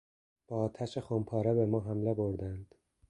با آتش خمپاره بما حمله بردند.